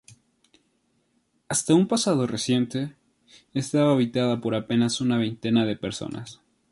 Hasta un pasado reciente, estaba habitada por apenas una veintena de personas.